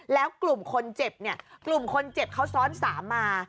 แล้วกลุ่มคนเจ็บเนี่ยกลุ่มคนเจ็บเขาซ้อน๓มา